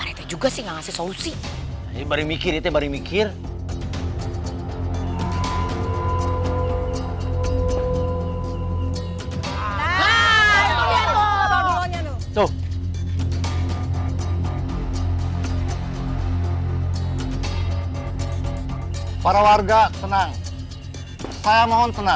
kita jebak pakai uang monopoli